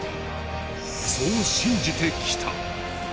そう信じてきた。